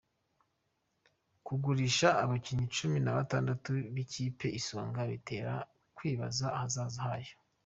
Kugurisha abakinnyi Cumi nabatandatu b’ikipe y’Isonga bitera kwibaza ahazaza hayo